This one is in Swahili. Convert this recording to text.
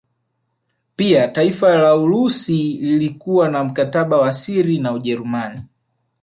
Pia taifa la Urusi lilikuwa na mkataba wa siri na Ujerumani